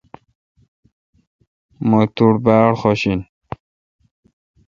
مہ تو باڑ خوش این۔